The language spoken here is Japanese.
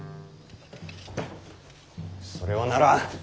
それはならん。